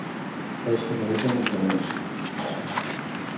Es una isla montañosa.